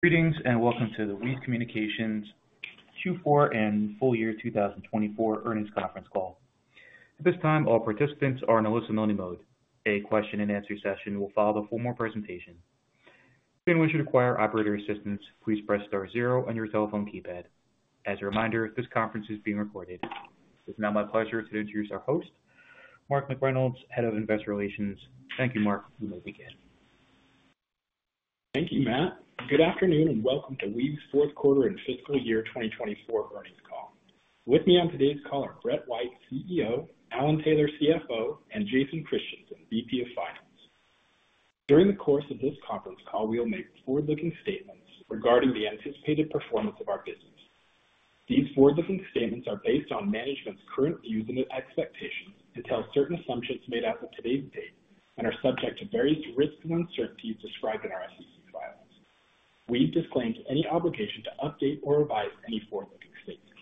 Greetings and welcome to the Weave Communications Q4 and full-year 2024 earnings conference call. At this time, all participants are in a listen-only mode. A question-and-answer session will follow the formal presentation. If anyone should require operator assistance, please press star zero on your telephone keypad. As a reminder, this conference is being recorded. It's now my pleasure to introduce our host, Mark McReynolds, Head of Investor Relations. Thank you, Mark. We may begin. Thank you, Matt. Good afternoon and welcome to Weave's fourth quarter and fiscal year 2024 earnings call. With me on today's call are Brett White, CEO; Alan Taylor, CFO; and Jason Christiansen, VP of Finance. During the course of this conference call, we will make forward-looking statements regarding the anticipated performance of our business. These forward-looking statements are based on management's current views and expectations and involve certain assumptions made as of today's date and are subject to various risks and uncertainties described in our SEC filings. Weave disclaimed any obligation to update or revise any forward-looking statements.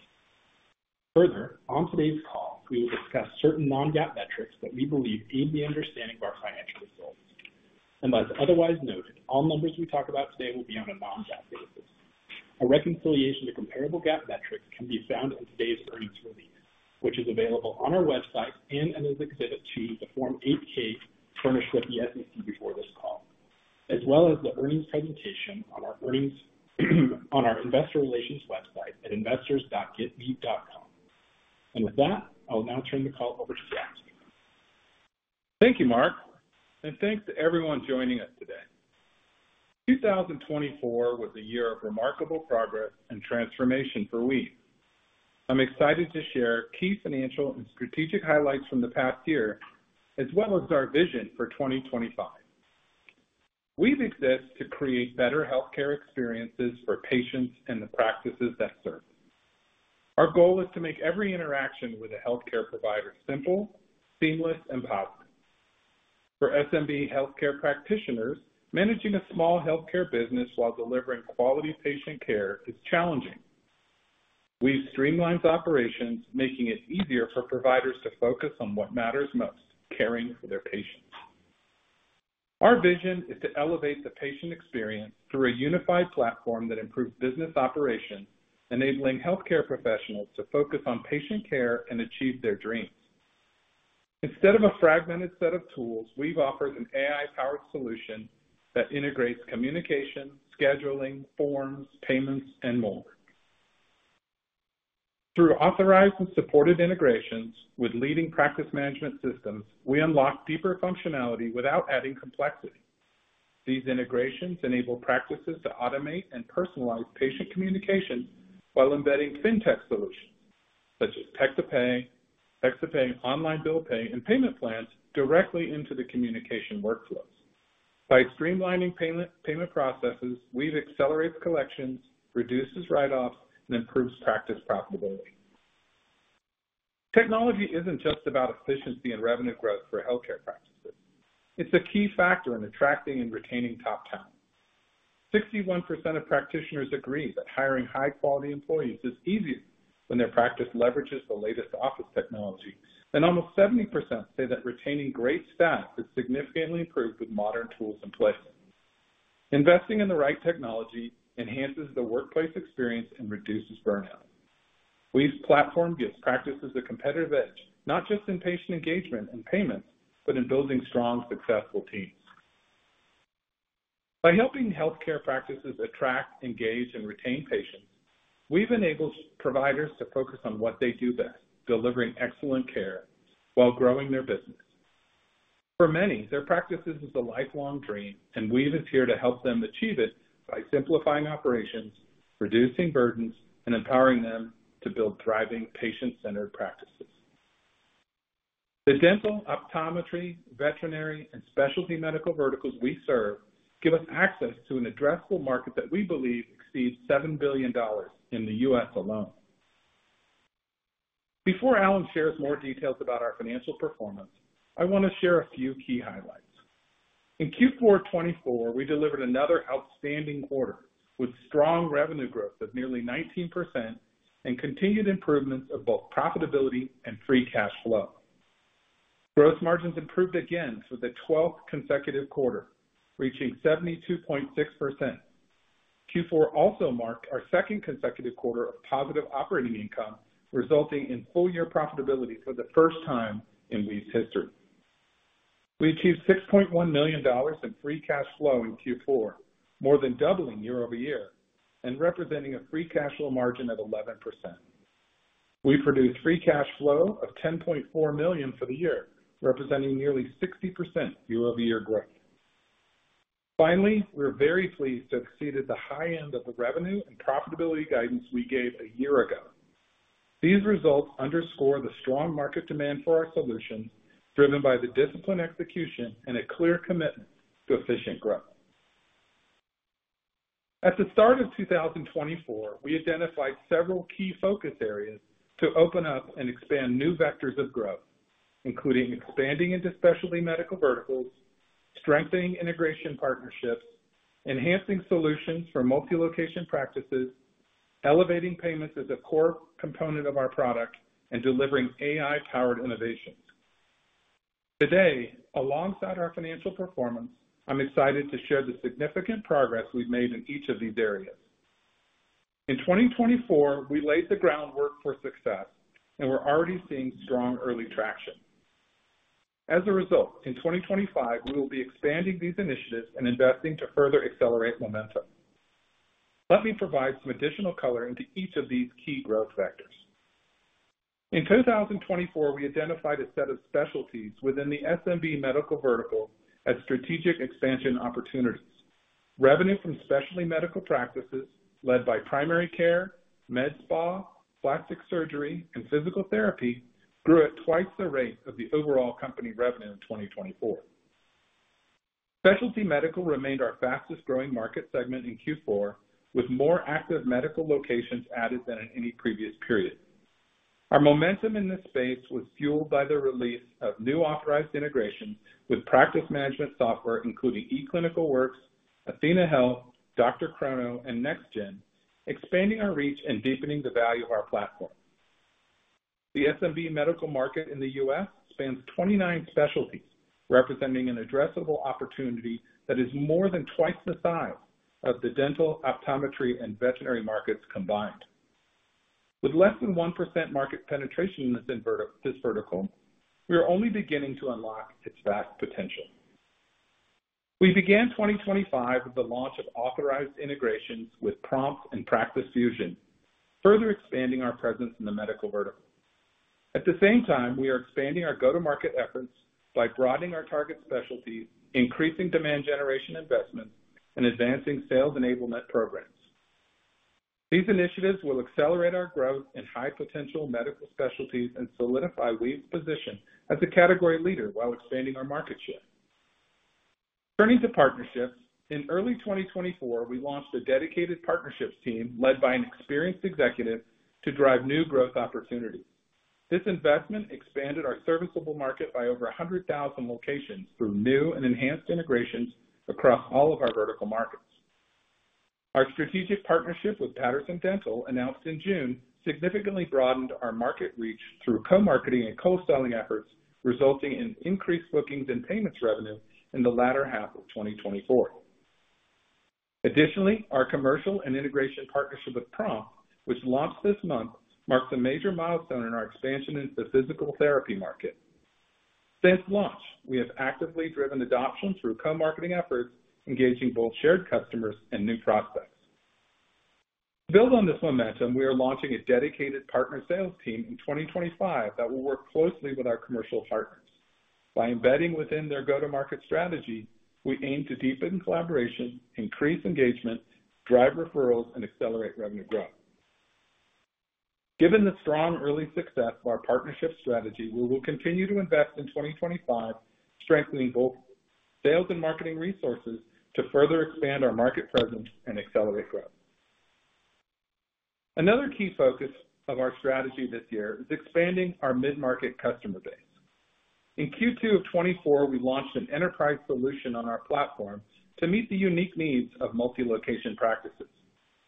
Further, on today's call, we will discuss certain non-GAAP metrics that we believe aid the understanding of our financial results, and unless otherwise noted, all numbers we talk about today will be on a non-GAAP basis. A reconciliation to comparable GAAP metrics can be found in today's earnings release, which is available on our website and as Exhibit 2, the Form 8-K furnished with the SEC before this call, as well as the earnings presentation on our investor relations website at investors.weave.com. And with that, I will now turn the call over to Brett. Thank you, Mark. And thanks to everyone joining us today. 2024 was a year of remarkable progress and transformation for Weave. I'm excited to share key financial and strategic highlights from the past year, as well as our vision for 2025. Weave existed to create better healthcare experiences for patients and the practices that serve them. Our goal is to make every interaction with a healthcare provider simple, seamless, and positive. For SMB healthcare practitioners, managing a small healthcare business while delivering quality patient care is challenging. Weave streamlined operations, making it easier for providers to focus on what matters most: caring for their patients. Our vision is to elevate the patient experience through a unified platform that improves business operations, enabling healthcare professionals to focus on patient care and achieve their dreams. Instead of a fragmented set of tools, Weave offers an AI-powered solution that integrates communication, scheduling, forms, payments, and more. Through authorized and supported integrations with leading practice management systems, we unlock deeper functionality without adding complexity. These integrations enable practices to automate and personalize patient communication while embedding fintech solutions such as Text to Pay, Text to Pay online bill pay, and Payment Plans directly into the communication workflows. By streamlining payment processes, Weave accelerates collections, reduces write-offs, and improves practice profitability. Technology isn't just about efficiency and revenue growth for healthcare practices. It's a key factor in attracting and retaining top talent. 61% of practitioners agree that hiring high-quality employees is easier when their practice leverages the latest office technology, and almost 70% say that retaining great staff is significantly improved with modern tools in place. Investing in the right technology enhances the workplace experience and reduces burnout. Weave's platform gives practices a competitive edge, not just in patient engagement and payments, but in building strong, successful teams. By helping healthcare practices attract, engage, and retain patients, Weave enables providers to focus on what they do best: delivering excellent care while growing their business. For many, their practice is a lifelong dream, and Weave is here to help them achieve it by simplifying operations, reducing burdens, and empowering them to build thriving, patient-centered practices. The dental, optometry, veterinary, and specialty medical verticals we serve give us access to an addressable market that we believe exceeds $7 billion in the U.S. alone. Before Alan shares more details about our financial performance, I want to share a few key highlights. In Q4 2024, we delivered another outstanding quarter with strong revenue growth of nearly 19% and continued improvements of both profitability and free cash flow. Gross margins improved again for the 12th consecutive quarter, reaching 72.6%. Q4 also marked our second consecutive quarter of positive operating income, resulting in full-year profitability for the first time in Weave's history. We achieved $6.1 million in free cash flow in Q4, more than doubling year-over-year and representing a free cash flow margin of 11%. We produced free cash flow of $10.4 million for the year, representing nearly 60% year-over-year growth. Finally, we're very pleased to have exceeded the high end of the revenue and profitability guidance we gave a year ago. These results underscore the strong market demand for our solutions, driven by the disciplined execution and a clear commitment to efficient growth. At the start of 2024, we identified several key focus areas to open up and expand new vectors of growth, including expanding into specialty medical verticals, strengthening integration partnerships, enhancing solutions for multi-location practices, elevating payments as a core component of our product, and delivering AI-powered innovations. Today, alongside our financial performance, I'm excited to share the significant progress we've made in each of these areas. In 2024, we laid the groundwork for success, and we're already seeing strong early traction. As a result, in 2025, we will be expanding these initiatives and investing to further accelerate momentum. Let me provide some additional color into each of these key growth vectors. In 2024, we identified a set of specialties within the SMB medical vertical as strategic expansion opportunities. Revenue from specialty medical practices led by primary care, Med Spa, plastic surgery, and physical therapy grew at twice the rate of the overall company revenue in 2024. Specialty medical remained our fastest-growing market segment in Q4, with more active medical locations added than in any previous period. Our momentum in this space was fueled by the release of new authorized integrations with practice management software, including eClinicalWorks, Athenahealth, DrChrono, and NextGen, expanding our reach and deepening the value of our platform. The SMB medical market in the U.S. spans 29 specialties, representing an addressable opportunity that is more than twice the size of the dental, optometry, and veterinary markets combined. With less than 1% market penetration in this vertical, we are only beginning to unlock its vast potential. We began 2025 with the launch of authorized integrations with Prompt and Practice Fusion, further expanding our presence in the medical vertical. At the same time, we are expanding our go-to-market efforts by broadening our target specialties, increasing demand generation investments, and advancing sales enablement programs. These initiatives will accelerate our growth in high-potential medical specialties and solidify Weave's position as a category leader while expanding our market share. Turning to partnerships, in early 2024, we launched a dedicated partnerships team led by an experienced executive to drive new growth opportunities. This investment expanded our serviceable market by over 100,000 locations through new and enhanced integrations across all of our vertical markets. Our strategic partnership with Patterson Dental, announced in June, significantly broadened our market reach through co-marketing and co-selling efforts, resulting in increased bookings and payments revenue in the latter half of 2024. Additionally, our commercial and integration partnership with Prompt, which launched this month, marks a major milestone in our expansion into the physical therapy market. Since launch, we have actively driven adoption through co-marketing efforts, engaging both shared customers and new prospects. To build on this momentum, we are launching a dedicated partner sales team in 2025 that will work closely with our commercial partners. By embedding within their go-to-market strategy, we aim to deepen collaboration, increase engagement, drive referrals, and accelerate revenue growth. Given the strong early success of our partnership strategy, we will continue to invest in 2025, strengthening both sales and marketing resources to further expand our market presence and accelerate growth. Another key focus of our strategy this year is expanding our mid-market customer base. In Q2 of 2024, we launched an enterprise solution on our platform to meet the unique needs of multi-location practices.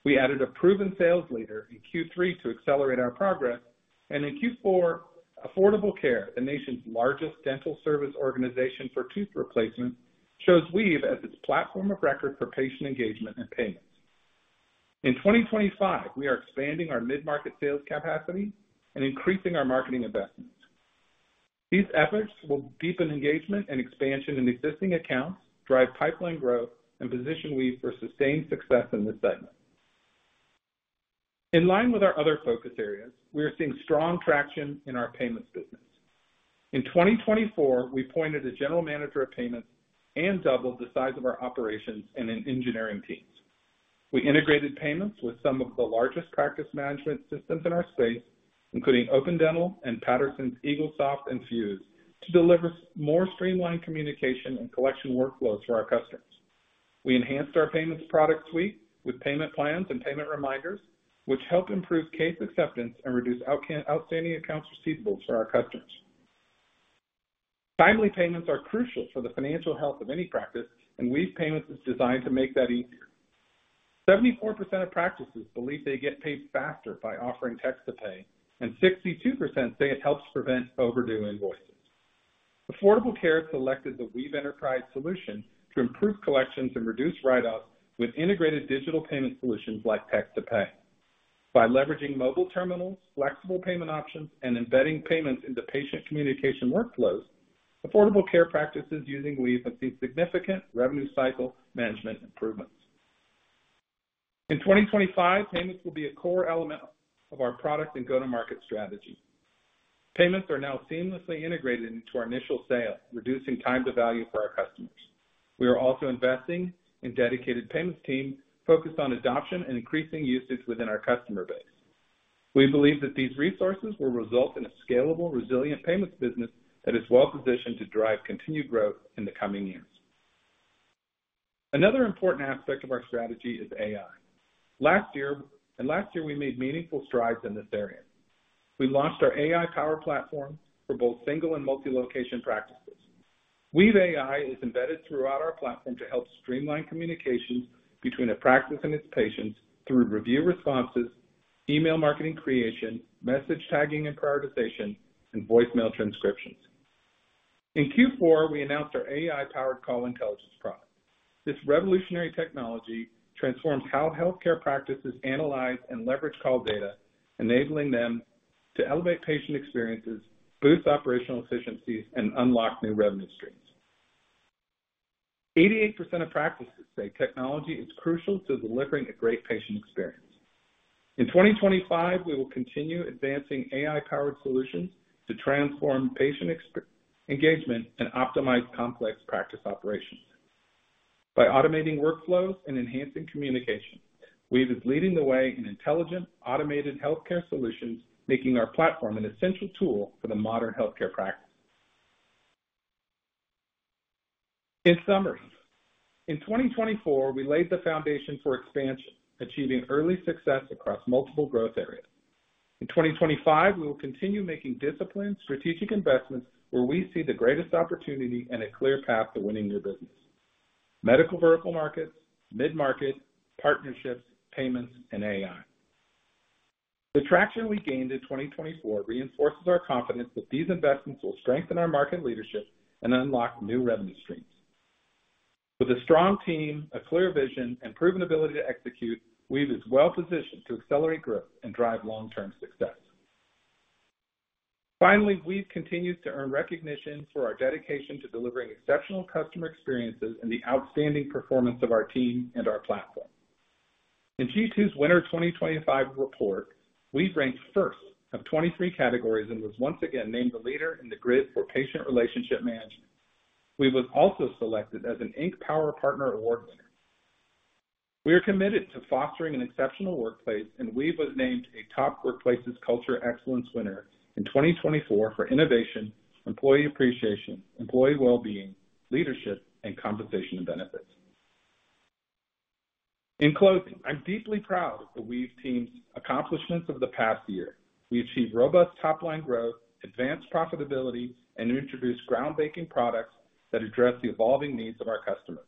We added a proven sales leader in Q3 to accelerate our progress, and in Q4, Affordable Care, the nation's largest dental service organization for tooth replacement, chose Weave as its platform of record for patient engagement and payments. In 2025, we are expanding our mid-market sales capacity and increasing our marketing investments. These efforts will deepen engagement and expansion in existing accounts, drive pipeline growth, and position Weave for sustained success in this segment. In line with our other focus areas, we are seeing strong traction in our payments business. In 2024, we appointed a general manager of payments and doubled the size of our operations and engineering teams. We integrated payments with some of the largest practice management systems in our space, including Open Dental and Patterson's Eaglesoft and Fuse, to deliver more streamlined communication and collection workflows for our customers. We enhanced our Payments Product Suite with Payment Plans and Payment Reminders, which help improve case acceptance and reduce outstanding accounts receivable for our customers. Timely payments are crucial for the financial health of any practice, and Weave Payments is designed to make that easier. 74% of practices believe they get paid faster by offering Text to Pay, and 62% say it helps prevent overdue invoices. Affordable Care selected the Weave Enterprise solution to improve collections and reduce write-offs with integrated digital payment solutions like Text to Pay. By leveraging mobile terminals, flexible payment options, and embedding payments into patient communication workflows, Affordable Care practices using Weave have seen significant revenue cycle management improvements. In 2025, payments will be a core element of our product and go-to-market strategy. Payments are now seamlessly integrated into our initial sale, reducing time to value for our customers. We are also investing in dedicated payments teams focused on adoption and increasing usage within our customer base. We believe that these resources will result in a scalable, resilient payments business that is well-positioned to drive continued growth in the coming years. Another important aspect of our strategy is AI. Last year, we made meaningful strides in this area. We launched our AI-powered platform for both single and multi-location practices. Weave AI is embedded throughout our platform to help streamline communications between a practice and its patients through review responses, email marketing creation, message tagging and prioritization, and voicemail transcriptions. In Q4, we announced our AI-powered Call Intelligence product. This revolutionary technology transforms how healthcare practices analyze and leverage call data, enabling them to elevate patient experiences, boost operational efficiencies, and unlock new revenue streams. 88% of practices say technology is crucial to delivering a great patient experience. In 2025, we will continue advancing AI-powered solutions to transform patient engagement and optimize complex practice operations. By automating workflows and enhancing communication, Weave is leading the way in intelligent, automated healthcare solutions, making our platform an essential tool for the modern healthcare practice. In summary, in 2024, we laid the foundation for expansion, achieving early success across multiple growth areas. In 2025, we will continue making disciplined strategic investments where we see the greatest opportunity and a clear path to winning new business: medical vertical markets, mid-market, partnerships, payments, and AI. The traction we gained in 2024 reinforces our confidence that these investments will strengthen our market leadership and unlock new revenue streams. With a strong team, a clear vision, and proven ability to execute, Weave is well-positioned to accelerate growth and drive long-term success. Finally, Weave continues to earn recognition for our dedication to delivering exceptional customer experiences and the outstanding performance of our team and our platform. In G2's Winter 2025 report, Weave ranked first of 23 categories and was once again named a leader in the grid for patient relationship management. Weave was also selected as an Inc Power Partner Award winner. We are committed to fostering an exceptional workplace, and Weave was named a Top Workplaces Culture Excellence winner in 2024 for innovation, employee appreciation, employee well-being, leadership, and compensation benefits. In closing, I'm deeply proud of the Weave team's accomplishments of the past year. We achieved robust top-line growth, advanced profitability, and introduced groundbreaking products that address the evolving needs of our customers.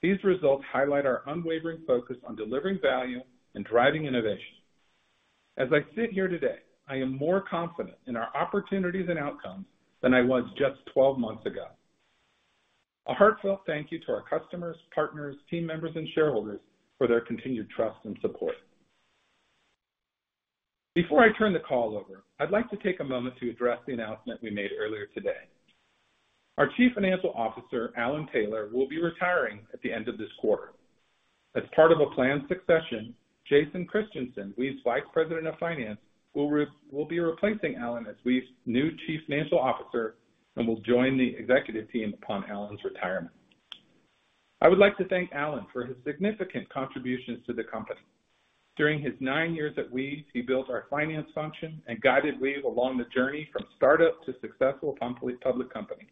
These results highlight our unwavering focus on delivering value and driving innovation. As I sit here today, I am more confident in our opportunities and outcomes than I was just 12 months ago. A heartfelt thank you to our customers, partners, team members, and shareholders for their continued trust and support. Before I turn the call over, I'd like to take a moment to address the announcement we made earlier today. Our Chief Financial Officer, Alan Taylor, will be retiring at the end of this quarter. As part of a planned succession, Jason Christiansen, Weave's Vice President of Finance, will be replacing Alan as Weave's new Chief Financial Officer and will join the Executive Team upon Alan's retirement. I would like to thank Alan for his significant contributions to the company. During his nine years at Weave, he built our finance function and guided Weave along the journey from startup to successful public company.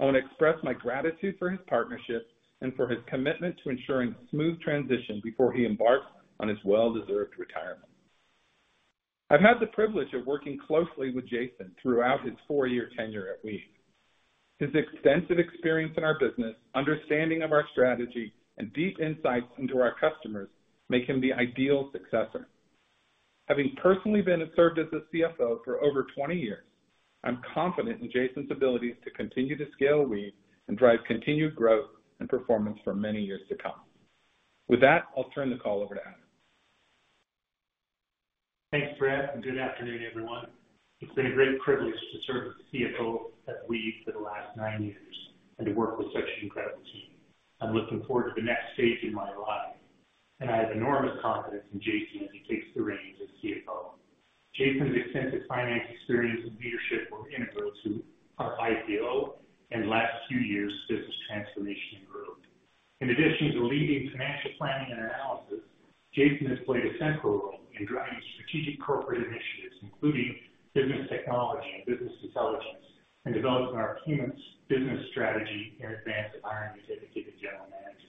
I want to express my gratitude for his partnership and for his commitment to ensuring a smooth transition before he embarks on his well-deserved retirement. I've had the privilege of working closely with Jason throughout his four-year tenure at Weave. His extensive experience in our business, understanding of our strategy, and deep insights into our customers make him the ideal successor. Having personally served as a CFO for over 20 years, I'm confident in Jason's ability to continue to scale Weave and drive continued growth and performance for many years to come. With that, I'll turn the call over to Alan. Thanks, Brett, and good afternoon, everyone. It's been a great privilege to serve as CFO at Weave for the last nine years and to work with such an incredible team. I'm looking forward to the next stage in my life. I have enormous confidence in Jason as he takes the reins as CFO. Jason's extensive finance experience and leadership were integral to our IPO and last few years' business transformation and growth. In addition to leading financial planning and analysis, Jason has played a central role in driving strategic corporate initiatives, including business technology and business intelligence, and developing our payments business strategy in advance of hiring a dedicated general manager.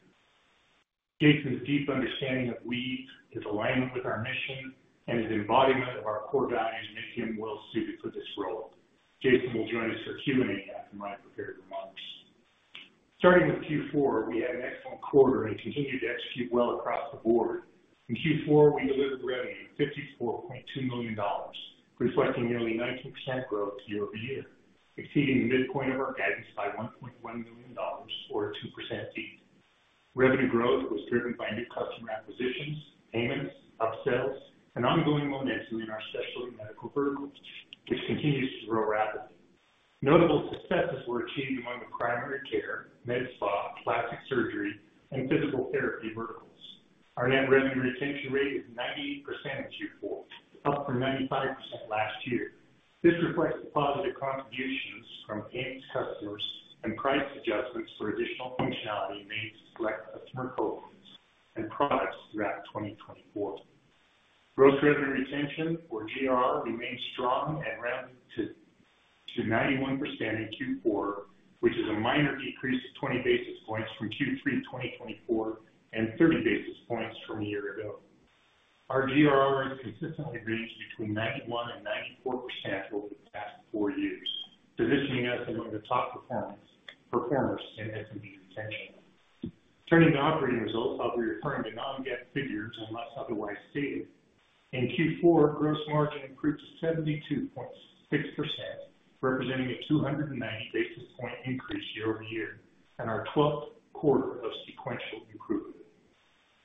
Jason's deep understanding of Weave, his alignment with our mission, and his embodiment of our core values make him well-suited for this role. Jason will join us for Q&A after my prepared remarks. Starting with Q4, we had an excellent quarter and continued to execute well across the board. In Q4, we delivered revenue of $54.2 million, reflecting nearly 19% growth year-over-year, exceeding the midpoint of our guidance by $1.1 million, or a 2% beat. Revenue growth was driven by new customer acquisitions, payments, upsells, and ongoing momentum in our specialty medical verticals, which continues to grow rapidly. Notable successes were achieved among the primary care, med spa, plastic surgery, and physical therapy verticals. Our net revenue retention rate is 98% in Q4, up from 95% last year. This reflects the positive contributions from payments customers and price adjustments for additional functionality made to select customer cohorts and products throughout 2024. Gross revenue retention, or GRR, remained strong and rounded to 91% in Q4, which is a minor decrease of 20 basis points from Q3 2024 and 30 basis points from a year ago. Our GRR has consistently ranged between 91% and 94% over the past four years, positioning us among the top performers in SaaS retention. Turning to operating results, I'll be referring to non-GAAP figures unless otherwise stated. In Q4, gross margin improved to 72.6%, representing a 290 basis points increase year-over-year and our 12th quarter of sequential improvement.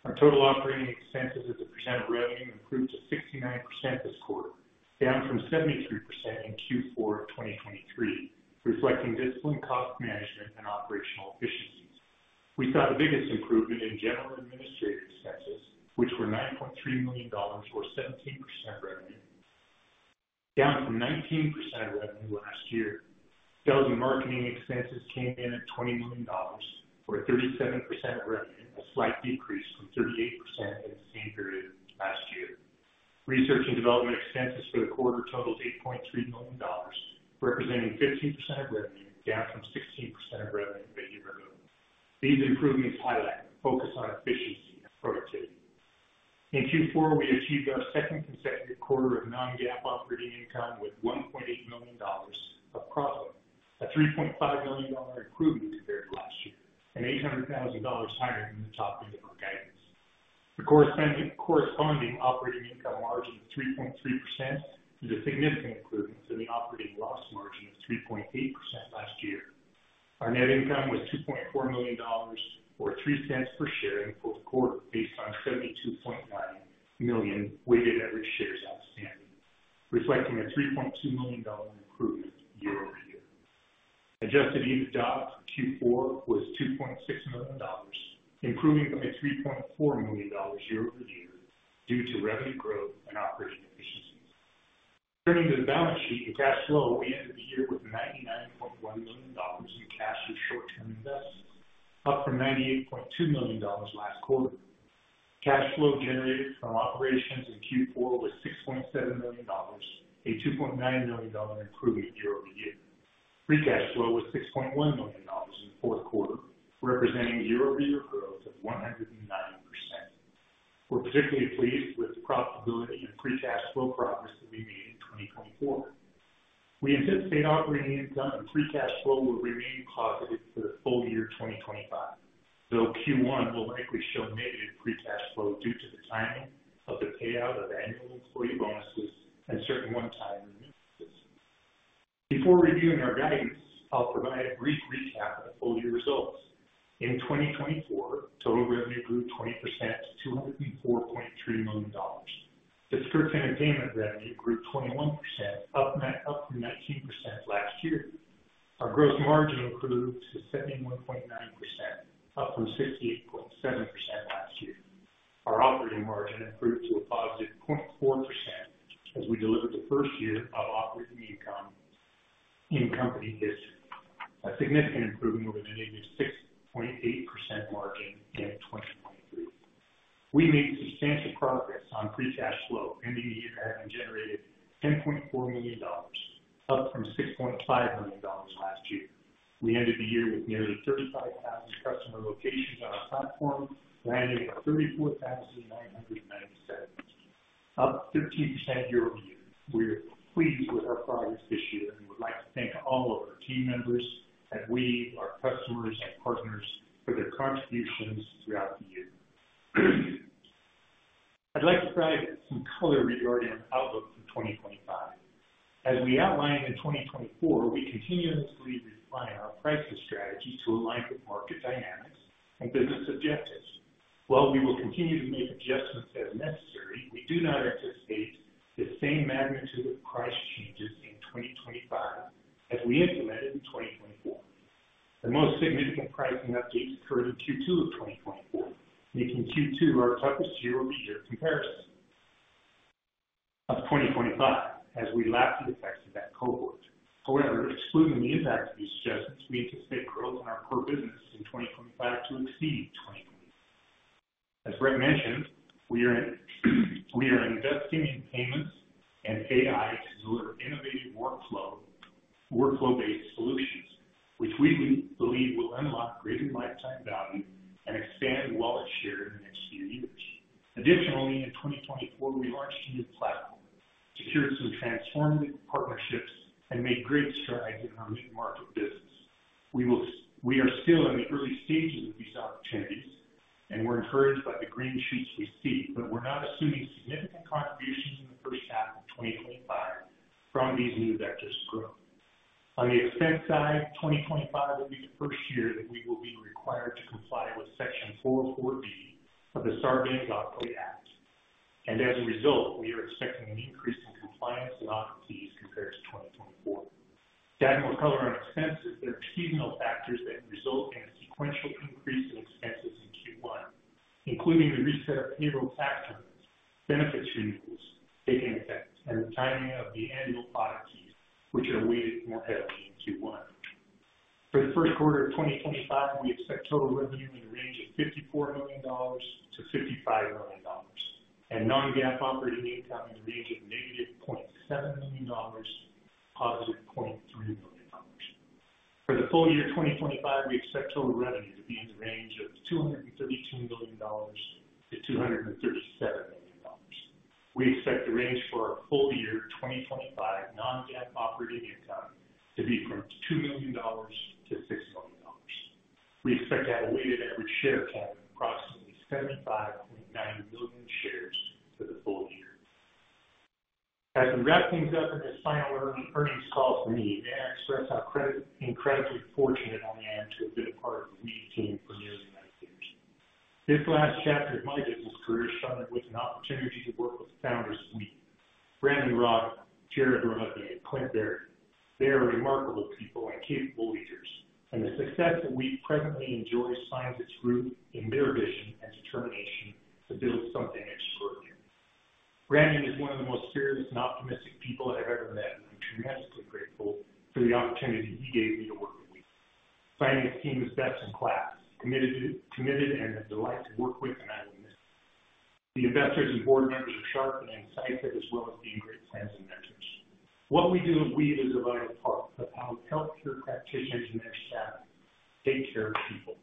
Our total operating expenses as a percent of revenue improved to 69% this quarter, down from 73% in Q4 of 2023, reflecting disciplined cost management and operational efficiencies. We saw the biggest improvement in general administrative expenses, which were $9.3 million, or 17% of revenue, down from 19% of revenue last year. Sales and marketing expenses came in at $20 million, or 37% of revenue, a slight decrease from 38% in the same period last year. Research and development expenses for the quarter totaled $8.3 million, representing 15% of revenue, down from 16% of revenue a year ago. These improvements highlight the focus on efficiency and productivity. In Q4, we achieved our second consecutive quarter of non-GAAP operating income with $1.8 million of profit, a $3.5 million improvement compared to last year, and $800,000 higher than the top end of our guidance. The corresponding operating income margin of 3.3% is a significant improvement to the operating loss margin of 3.8% last year. Our net income was $2.4 million, or $0.03 per share in the fourth quarter, based on 72.9 million weighted average shares outstanding, reflecting a $3.2 million improvement year-over-year. Adjusted EBITDA for Q4 was $2.6 million, improving by $3.4 million year-over-year due to revenue growth and operating efficiencies. Turning to the balance sheet and cash flow, we ended the year with $99.1 million in cash and short-term investments, up from $98.2 million last quarter. Cash flow generated from operations in Q4 was $6.7 million, a $2.9 million improvement year-over-year. cash flow was $6.1 million in the fourth quarter, representing year-over-year growth of 109%. We're particularly pleased with the profitability and free cash flow progress that we made in 2024. We anticipate operating income and free cash flow will remain positive for the full year 2025, though Q1 will likely show negative free cash flow due to the timing of the payout of annual employee bonuses and certain one-time renewals. Before reviewing our guidance, I'll provide a brief recap of the full year results. In 2024, total revenue grew 20% to $204.3 million. The subscription and payment revenue grew 21%, up from 19% last year. Our gross margin improved to 71.9%, up from 68.7% last year. Our operating margin improved to a +0.4% as we delivered the first year of operating income in company history, a significant improvement over the -6.8% margin in 2023. We made substantial progress on free cash flow, ending the year having generated $10.4 million, up from $6.5 million last year. We ended the year with nearly 35,000 customer locations on our platform, landing at 34,997, up 13% year-over-year. We are pleased with our progress this year and would like to thank all of our team members at Weave, our customers, and partners for their contributions throughout the year. I'd like to provide some color regarding our outlook for 2025. As we outlined in 2024, we continuously refine our pricing strategy to align with market dynamics and business objectives. While we will continue to make adjustments as necessary, we do not anticipate the same magnitude of price changes in 2025 as we implemented in 2024. The most significant pricing updates occurred in Q2 of 2024, making Q2 our toughest year-over-year comparison of 2025 as we lapped the effects of that cohort. However, excluding the impact of these adjustments, we anticipate growth in our core business in 2025 to exceed 20%. As Brett mentioned, we are investing in payments and AI to deliver innovative workflow-based solutions, which we believe will unlock greater lifetime value and expand wallet share in the next few years. Additionally, in 2024, we launched a new platform, secured some transformative partnerships, and made great strides in our mid-market business. We are still in the early stages of these opportunities, and we're encouraged by the green shoots we see, but we're not assuming significant contributions in the first half of 2025 from these new vectors of growth. On the expense side, 2025 will be the first year that we will be required to comply with Section 404(b) of the Sarbanes-Oxley Act, and as a result, we are expecting an increase in compliance and opportunities compared to 2024. To add more color on expenses, there are seasonal factors that result in a sequential increase in expenses in Q1, including the reset of payroll tax benefits renewals taking effect and the timing of the annual product fees, which are weighted more heavily in Q1. For the first quarter of 2025, we expect total revenue in the range of $54 million-$55 million, and non-GAAP operating income in the range of -$0.7 million to $0.3 million. For the full year 2025, we expect total revenue to be in the range of $232 million-$237 million. We expect the range for our full year 2025 non-GAAP operating income to be $2 million-$6 million. We expect to have a weighted average share count of approximately 75.9 million shares for the full year. As we wrap things up in this final earnings call for me, may I express how incredibly fortunate I am to have been a part of the Weave team for nearly 90 years. This last chapter of my business career shone with an opportunity to work with the founders of Weave, Brandon Rodman, Jared Rodman, and Clint Berry. They are remarkable people and capable leaders, and the successful Weave presently enjoys finding its root in their vision and determination to build something extraordinary. Brandon is one of the most serious and optimistic people I've ever met, and I'm tremendously grateful for the opportunity he gave me to work with Weave. Finance team is best in class, committed and a delight to work with, and I will miss them. The investors and board members are sharp and insightful, as well as being great friends and mentors. What we do at Weave is a vital part of how healthcare practitioners and their staff take care of people.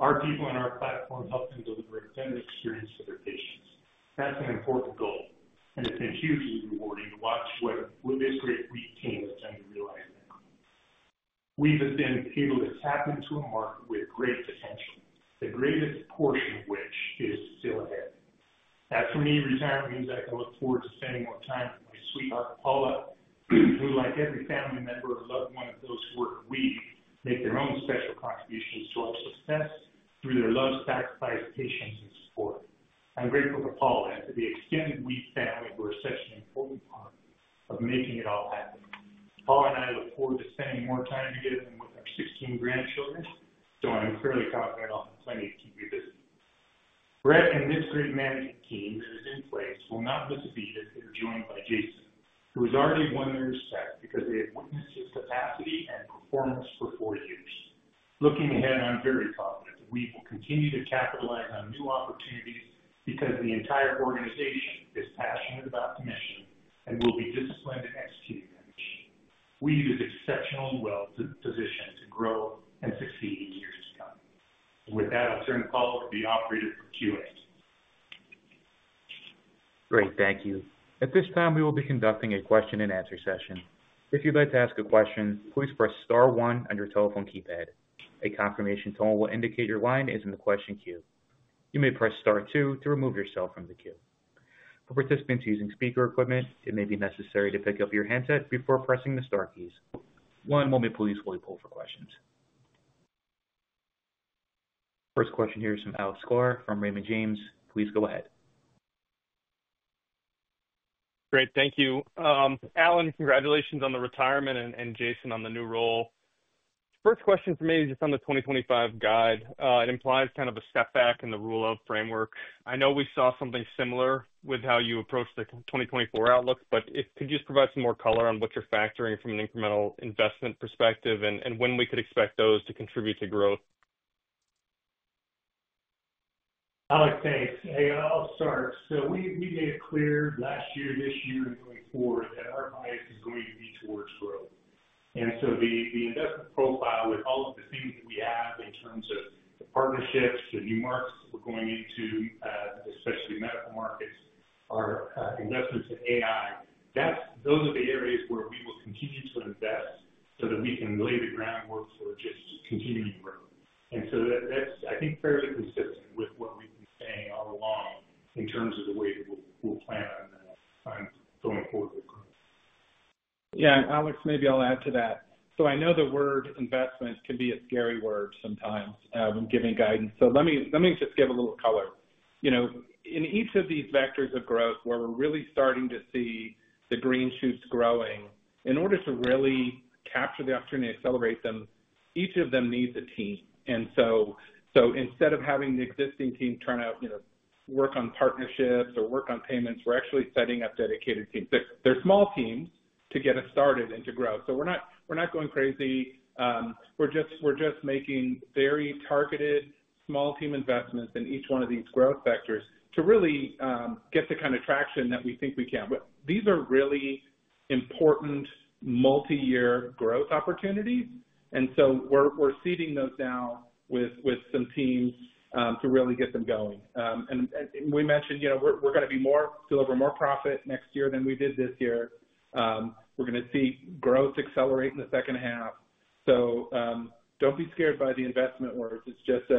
Our people and our platform help them deliver a better experience for their patients. That's an important goal, and it's been hugely rewarding to watch what this great Weave team has done to realize that goal. Weave has been able to tap into a market with great potential, the greatest portion of which is still ahead. As for me, retirement means I can look forward to spending more time with my sweetheart, Paula, who, like every family member or loved one of those who work at Weave, makes their own special contributions to our success through their love, sacrifice, patience, and support. I'm grateful to Paula and to the extended Weave family who are such an important part of making it all happen. Paula and I look forward to spending more time together than with our 16 grandchildren, so I'm fairly confident I'll have plenty of time to be busy. Brett and this great management team that is in place will not miss a beat as they're joined by Jason, who has already won their respect because they have witnessed his capacity and performance for four years. Looking ahead, I'm very confident that Weave will continue to capitalize on new opportunities because the entire organization is passionate about the mission and will be disciplined in executing that mission. Weave is exceptionally well positioned to grow and succeed in years to come. And with that, I'll turn the call to the operator for Q&A. Great, thank you. At this time, we will be conducting a question-and-answer session. If you'd like to ask a question, please press star one on your telephone keypad. A confirmation tone will indicate your line is in the question queue. You may press star two to remove yourself from the queue. For participants using speaker equipment, it may be necessary to pick up your handset before pressing the star keys. One moment, please, while we pull for questions. First question here is from Alex Sklar from Raymond James. Please go ahead. Great, thank you. Alan, congratulations on the retirement, and Jason on the new role. First question from me is just on the 2025 guide. It implies kind of a step back in the Rule of 40 framework. I know we saw something similar with how you approached the 2024 outlook, but could you just provide some more color on what you're factoring from an incremental investment perspective and when we could expect those to contribute to growth? I'll explain. I'll start. So we made it clear last year, this year, and going forward that our bias is going to be towards growth. And so the investment profile with all of the things that we have in terms of the partnerships, the new markets that we're going into, especially medical markets, our investments in AI, those are the areas where we will continue to invest so that we can lay the groundwork for just continuing growth. And so that's, I think, fairly consistent with what we've been saying all along in terms of the way that we'll plan on going forward with growth. Yeah, Alex, maybe I'll add to that. So I know the word investment can be a scary word sometimes when giving guidance. So let me just give a little color. In each of these vectors of growth, where we're really starting to see the green shoots growing, in order to really capture the opportunity and accelerate them, each of them needs a team. And so instead of having the existing team turn out, work on partnerships or work on payments, we're actually setting up dedicated teams. They're small teams to get us started and to grow. So we're not going crazy. We're just making very targeted small team investments in each one of these growth sectors to really get the kind of traction that we think we can. These are really important multi-year growth opportunities. And so we're seeding those now with some teams to really get them going. And we mentioned we're going to deliver more profit next year than we did this year. We're going to see growth accelerate in the second half. So don't be scared by the investment words. It's just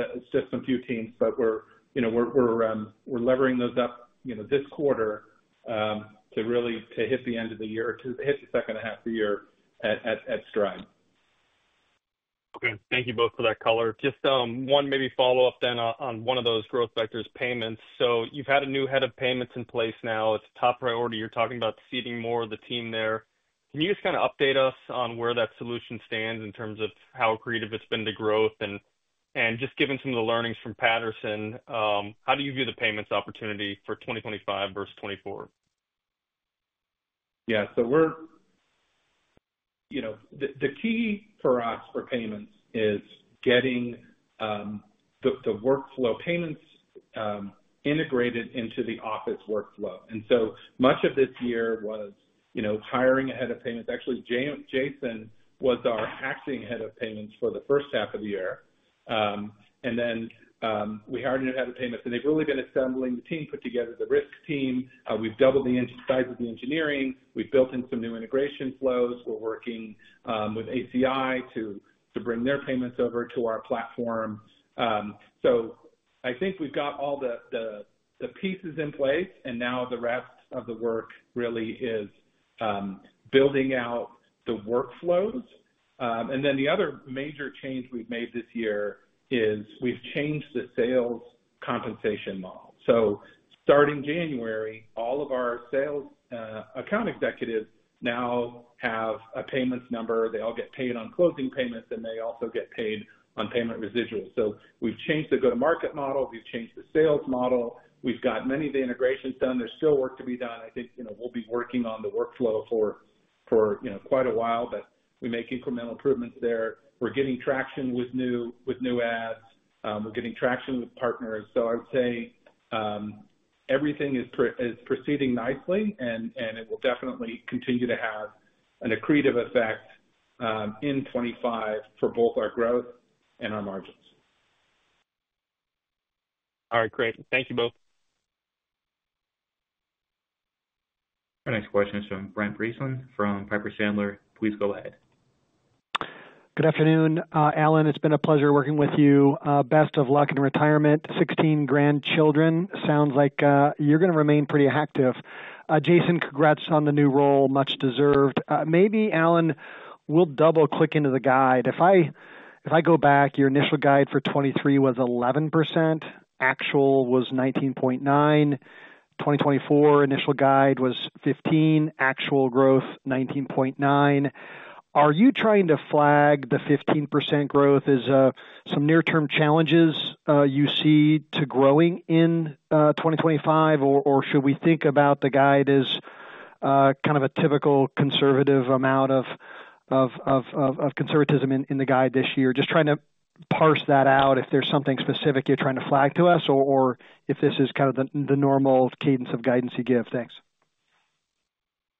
a few teams, but we're levering those up this quarter to really hit the end of the year, to hit the second half of the year at stride. Okay, thank you both for that color. Just one maybe follow-up then on one of those growth vectors, payments. So you've had a new head of payments in place now. It's a top priority. You're talking about seeding more of the team there. Can you just kind of update us on where that solution stands in terms of how key it's been to growth? And just given some of the learnings from Patterson, how do you view the payments opportunity for 2025 versus 2024? Yeah, so the key for us for payments is getting the workflow payments integrated into the office workflow. And so much of this year was hiring ahead of payments. Actually, Jason was our acting head of payments for the first half of the year. And then we hired a new head of payments, and they've really been assembling. The team put together the risk team. Weave doubled the size of the engineering. Weave built in some new integration flows. We're working with ACI to bring their payments over to our platform. So I think we've got all the pieces in place, and now the rest of the work really is building out the workflows. And then the other major change we've made this year is we've changed the sales compensation model. So starting January, all of our sales account executives now have a payments number. They all get paid on closing payments, and they also get paid on payment residuals. So we've changed the go-to-market model. Weave changed the sales model. Weave got many of the integrations done. There's still work to be done. I think we'll be working on the workflow for quite a while, but we make incremental improvements there. We're getting traction with new ads. We're getting traction with partners. So I would say everything is proceeding nicely, and it will definitely continue to have an accretive effect in 2025 for both our growth and our margins. All right, great. Thank you both. Our next question is from Brent Bracelin from Piper Sandler. Please go ahead. Good afternoon, Alan. It's been a pleasure working with you. Best of luck in retirement. 16 grandchildren. Sounds like you're going to remain pretty active. Jason, congrats on the new role. Much deserved. Maybe, Alan, we'll double-click into the guide. If I go back, your initial guide for 2023 was 11%. Actual was 19.9%. 2024 initial guide was 15%. Actual growth 19.9%. Are you trying to flag the 15% growth as some near-term challenges you see to growing in 2025, or should we think about the guide as kind of a typical conservative amount of conservatism in the guide this year? Just trying to parse that out. If there's something specific you're trying to flag to us, or if this is kind of the normal cadence of guidance you give? Thanks.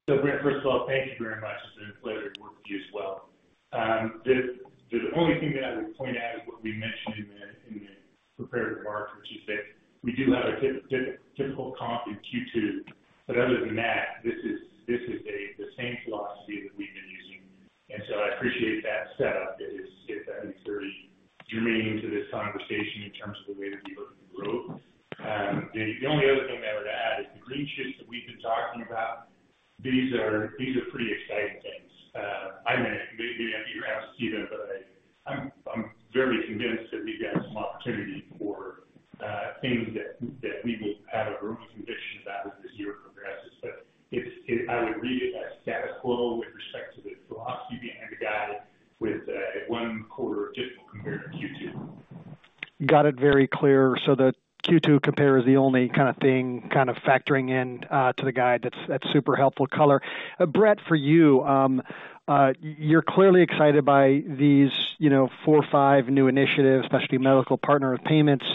So Brent, first of all, thank you very much. It's been a pleasure working with you as well. The only thing that I would point out is what we mentioned in the prepared remarks, which is that we do have a typical comp in Q2. But other than that, this is the same philosophy that we've been using. And so I appreciate that setup. It's definitely very germane to this conversation in terms of the way that we look at growth. The only other thing I would add is the green shoots that we've been talking about. These are pretty exciting things. I'm in it. Maybe I'll see them, but I'm very convinced that we've got some opportunity for things that we will have a room of conviction about as this year progresses. But I would read it as status quo with respect to the philosophy behind the guide with one quarter of difficult compared to Q2. Got it very clear. So the Q2 compare is the only kind of thing kind of factoring into the guide. That's super helpful color. Brett, for you, you're clearly excited by these four, five new initiatives, especially medical partner payments.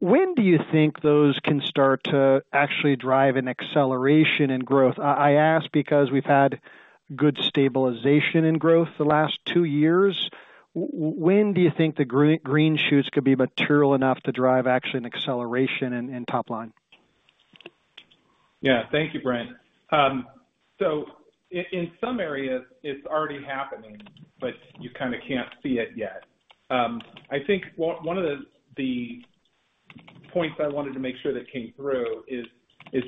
When do you think those can start to actually drive an acceleration in growth? I ask because we've had good stabilization in growth the last two years. When do you think the green shoots could be material enough to drive actually an acceleration in top line? Yeah, thank you, Brent. So in some areas, it's already happening, but you kind of can't see it yet. I think one of the points I wanted to make sure that came through is, as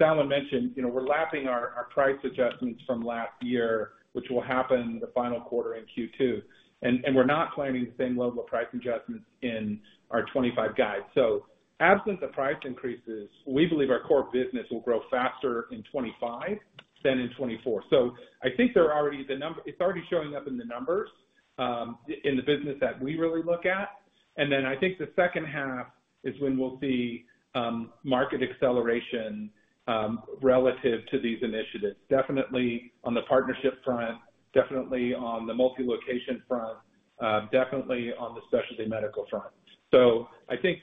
Alan mentioned, we're lapping our price adjustments from last year, which will happen the final quarter in Q2. And we're not planning to spend local price adjustments in our 2025 guide. So absent the price increases, we believe our core business will grow faster in 2025 than in 2024. So I think they're already the number it's already showing up in the numbers in the business that we really look at. And then I think the second half is when we'll see market acceleration relative to these initiatives. Definitely on the partnership front, definitely on the multi-location front, definitely on the specialty medical front. So I think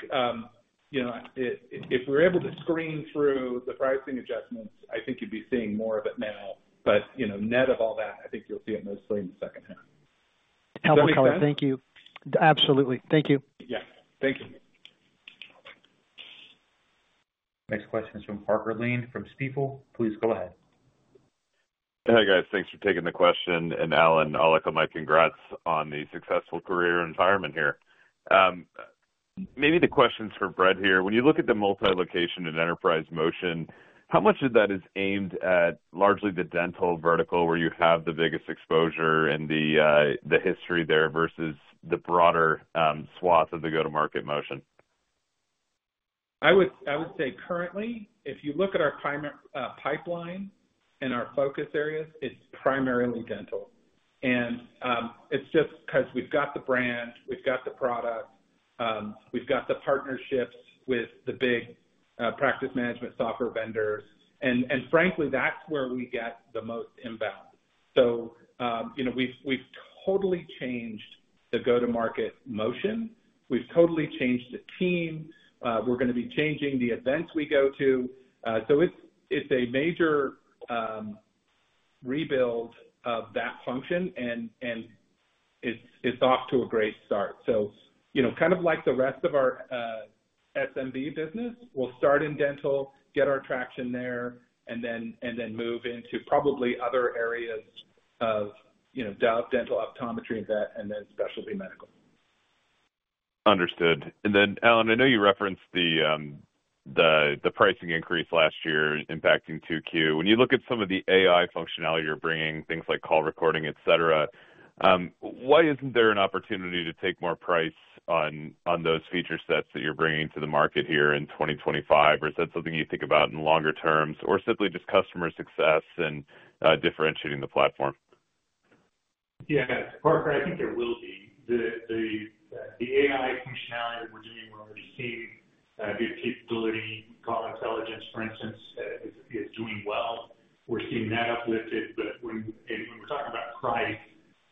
if we're able to screen through the pricing adjustments, I think you'd be seeing more of it now. But net of all that, I think you'll see it mostly in the second half. Thank you. Absolutely. Thank you. Yeah, thank you. Next question is from Parker Lane from Stifel. Please go ahead. Hey, guys. Thanks for taking the question. And Alan, I'll echo my congrats on the successful career and retirement here. Maybe the question's for Brett here. When you look at the multi-location and enterprise motion, how much of that is aimed at largely the dental vertical where you have the biggest exposure and the history there versus the broader swath of the go-to-market motion? I would say currently, if you look at our pipeline and our focus areas, it's primarily dental. And it's just because we've got the brand, we've got the product, we've got the partnerships with the big practice management software vendors. And frankly, that's where we get the most inbound. So we've totally changed the go-to-market motion. Weave totally changed the team. We're going to be changing the events we go to. So it's a major rebuild of that function, and it's off to a great start. So kind of like the rest of our SMB business, we'll start in dental, get our traction there, and then move into probably other areas of dental optometry and then specialty medical. Understood. And then, Alan, I know you referenced the pricing increase last year impacting Q2. When you look at some of the AI functionality you're bringing, things like call recording, etc., why isn't there an opportunity to take more price on those feature sets that you're bringing to the market here in 2025? Or is that something you think about in the longer terms or simply just customer success and differentiating the platform? Yeah, Parker, I think there will be. The AI functionality that we're doing, we're already seeing good capability. Call Intelligence, for instance, is doing well. We're seeing that uplifted. But when we're talking about price,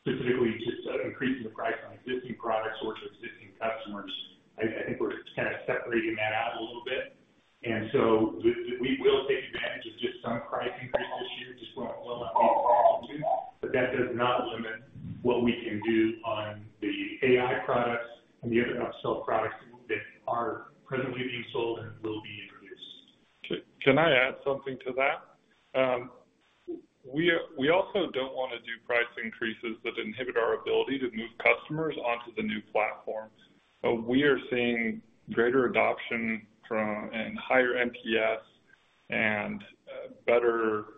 specifically just increasing the price on existing products or to existing customers, I think we're kind of separating that out a little bit. And so we will take advantage of just some price increase this year. Just won't be a problem, too. But that does not limit what we can do on the AI products and the other upsell products that are presently being sold and will be introduced. Can I add something to that? We also don't want to do price increases that inhibit our ability to move customers onto the new platform. We are seeing greater adoption and higher MPS and better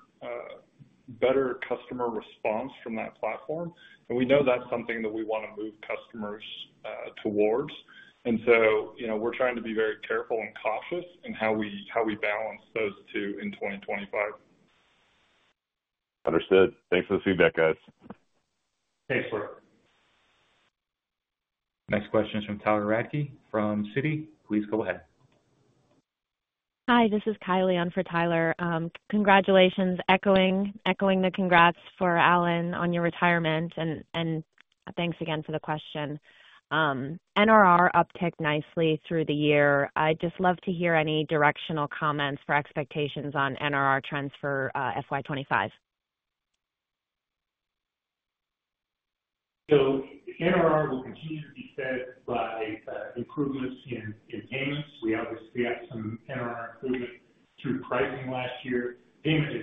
customer response from that platform. And we know that's something that we want to move customers towards. And so we're trying to be very careful and cautious in how we balance those two in 2025. Understood. Thanks for the feedback, guys. Thanks, both. Next question is from Tyler Radke from Citi. Please go ahead. Hi, this is Kylie on for Tyler. Congratulations. Echoing the congrats for Alan on your retirement. And thanks again for the question. NRR upticked nicely through the year. I'd just love to hear any directional comments for expectations on NRR trends for FY 2025? So NRR will continue to be fed by improvements in payments. We obviously had some NRR improvements through pricing last year. Payments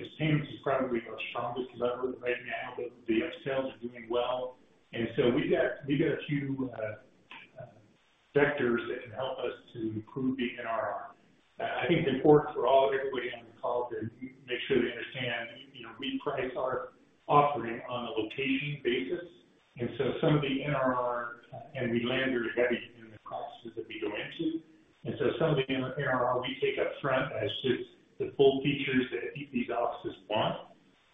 is probably our strongest level right now, but the upsells are doing well. And so we've got a few vectors that can help us to improve the NRR. I think it's important for everybody on the call to make sure they understand we price our offering on a location basis. And so some of the NRR, and we land very heavy in the practices that we go into. And so some of the NRR we take upfront as just the full features that these offices want.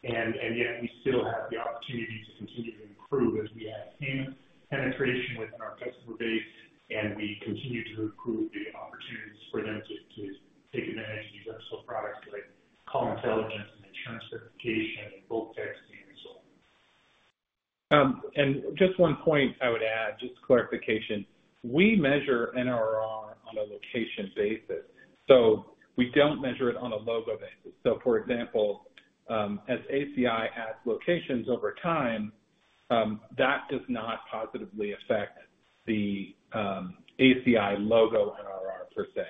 And yet we still have the opportunity to continue to improve as we have payment penetration within our customer base. And we continue to improve the opportunities for them to take advantage of these upsell products like Call Intelligence and Insurance Verification and bulk texting and so on. And just one point I would add, just clarification. We measure NRR on a location basis. So we don't measure it on a logo basis. So for example, as ACI adds locations over time, that does not positively affect the ACI logo NRR per se.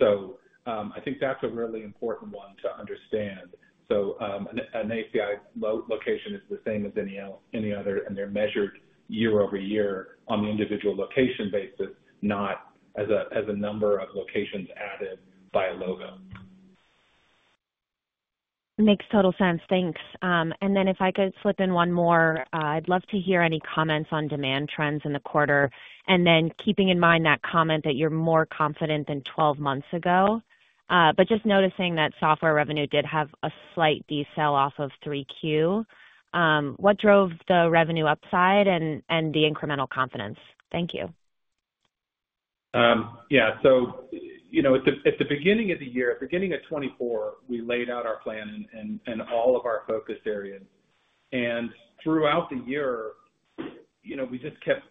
So I think that's a really important one to understand. So an ACI location is the same as any other, and they're measured year-over-year on the individual location basis, not as a number of locations added by a logo. Makes total sense. Thanks. And then if I could slip in one more, I'd love to hear any comments on demand trends in the quarter. And then, keeping in mind that comment that you're more confident than 12 months ago, but just noticing that software revenue did have a slight decline off of 3Q. What drove the revenue upside and the incremental confidence? Thank you. Yeah. At the beginning of the year, at the beginning of 2024, we laid out our plan and all of our focus areas. Throughout the year, we just kept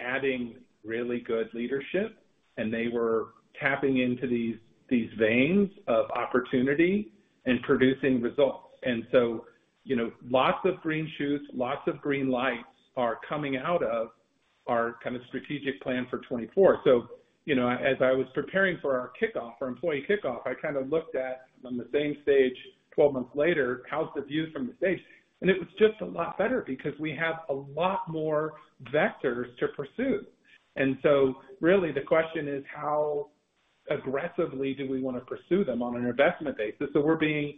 adding really good leadership, and they were tapping into these veins of opportunity and producing results. Lots of green shoots, lots of green lights are coming out of our kind of strategic plan for 2024. As I was preparing for our kickoff, our employee kickoff, I kind of looked out on the same stage 12 months later, how's the view from the stage? And it was just a lot better because we have a lot more vectors to pursue. And so really the question is, how aggressively do we want to pursue them on an investment basis? So we're being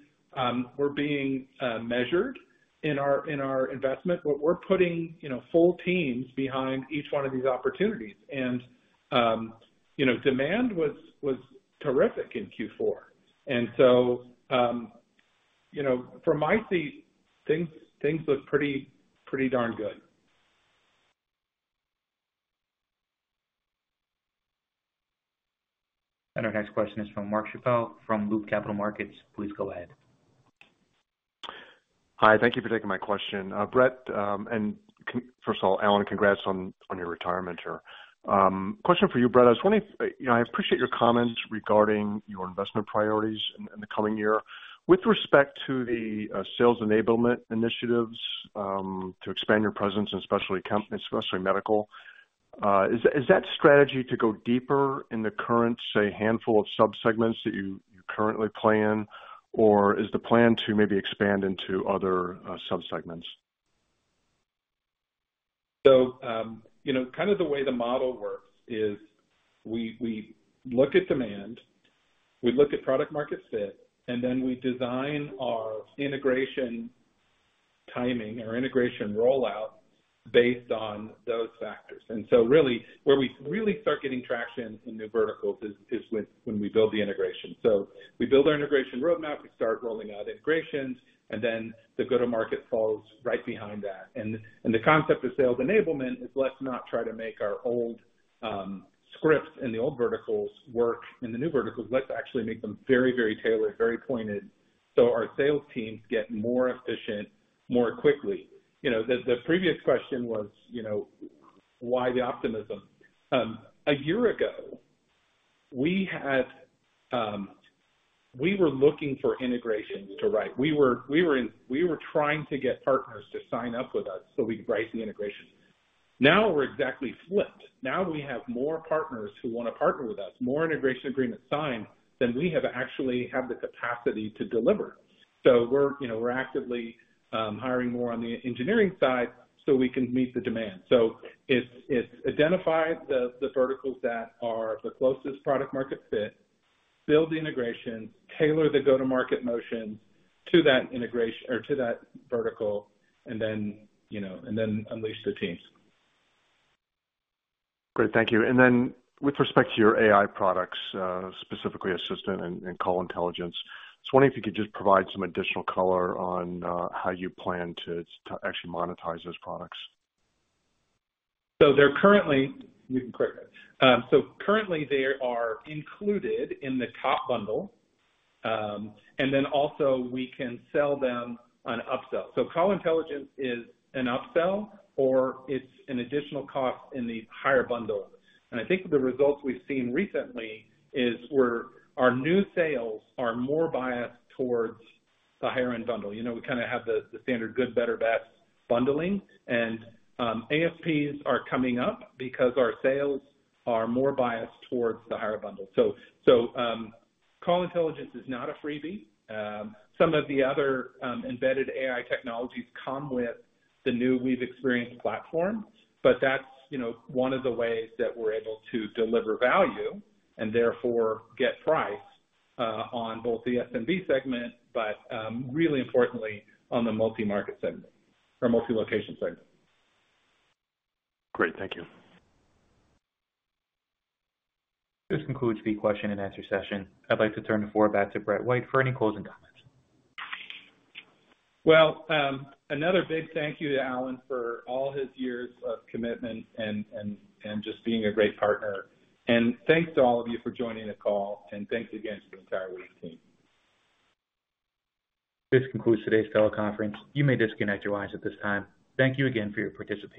measured in our investment. We're putting full teams behind each one of these opportunities. And demand was terrific in Q4. And so from my seat, things look pretty darn good. And our next question is from Mark Schappel from Loop Capital Markets. Please go ahead. Hi. Thank you for taking my question. Brett, and first of all, Alan, congrats on your retirement here. Question for you, Brett. I appreciate your comments regarding your investment priorities in the coming year. With respect to the sales enablement initiatives to expand your presence in specialty medical, is that strategy to go deeper in the current, say, handful of subsegments that you currently play in, or is the plan to maybe expand into other subsegments? So kind of the way the model works is we look at demand, we look at product-market fit, and then we design our integration timing or integration rollout based on those factors. And so really where we start getting traction in new verticals is when we build the integration. So we build our integration roadmap, we start rolling out integrations, and then the go-to-market falls right behind that. And the concept of sales enablement is let's not try to make our old scripts and the old verticals work in the new verticals. Let's actually make them very, very tailored, very pointed so our sales teams get more efficient more quickly. The previous question was why the optimism? A year ago, we were looking for integrations to write. We were trying to get partners to sign up with us so we could price the integration. Now we're exactly flipped. Now we have more partners who want to partner with us, more integration agreements signed than we have actually had the capacity to deliver. So we're actively hiring more on the engineering side so we can meet the demand. So it's identify the verticals that are the closest product-market fit, build the integrations, tailor the go-to-market motions to that integration or to that vertical, and then unleash the teams. Great. Thank you. And then with respect to your AI products, specifically Assistant and Call Intelligence, I was wondering if you could just provide some additional color on how you plan to actually monetize those products. So currently, you can correct me. So currently, they are included in the top bundle, and then also we can sell them on upsell. So Call Intelligence is an upsell or it's an additional cost in the higher bundle. And I think the results we've seen recently is our new sales are more biased towards the higher-end bundle. We kind of have the standard good, better, best bundling, and ASPs are coming up because our sales are more biased towards the higher bundle. So Call Intelligence is not a freebie. Some of the other embedded AI technologies come with the new Weave Experience Platform, but that's one of the ways that we're able to deliver value and therefore get pricing on both the SMB segment, but really importantly, on the multi-market segment or multi-location segment. Great. Thank you. This concludes the question-and-answer session. I'd like to turn the floor back to Brett White for any closing comments. Well, another big thank you to Alan for all his years of commitment and just being a great partner. And thanks to all of you for joining the call, and thanks again to the entire Weave team. This concludes today's teleconference. You may disconnect your lines at this time. Thank you again for your participation.